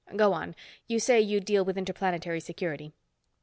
Go on, you say you deal with Interplanetary Security."